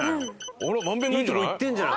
あら満遍ないんじゃない？